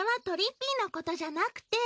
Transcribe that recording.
ぴいのことじゃなくて。